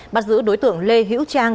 bắt giữ đối tượng lê hữu trang